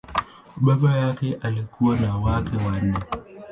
Baba yake alikuwa na wake wanne.